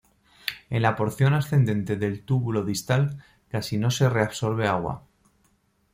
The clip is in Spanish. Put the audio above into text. En la porción ascendente del túbulo distal casi no se reabsorbe agua.